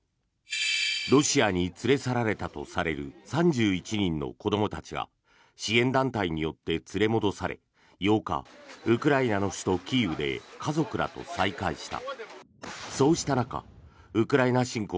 ロシアに連れ去られたとされる３１人の子どもたちが支援団体によって連れ戻され８日、ウクライナの首都キーウで家族らと再会した。